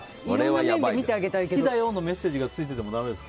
好きだよのメッセージがついていてもだめですか？